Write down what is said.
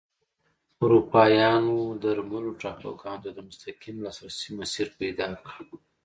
اروپایانو درملو ټاپوګانو ته د مستقیم لاسرسي مسیر پیدا کړ.